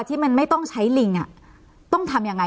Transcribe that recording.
ที่มันไม่ต้องใช้ลิงต้องทำยังไง